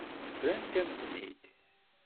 Rrant-am-ten-id.